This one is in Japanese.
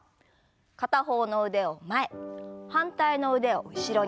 片方の腕を前反対の腕を後ろに。